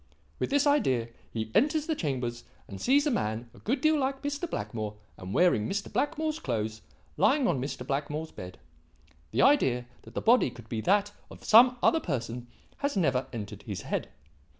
With this idea he enters the chambers and sees a man a good deal like Mr. Blackmore and wearing Mr. Blackmore's clothes, lying on Mr. Blackmore's bed. The idea that the body could be that of some other person has never entered his mind.